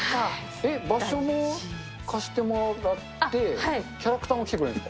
えっ、場所も貸してもらって、キャラクターも来てくれるんですか？